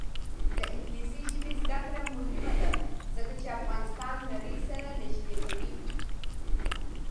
د انګلیسي ژبې زده کړه مهمه ده ځکه چې افغانستان نړۍ سره نږدې کوي.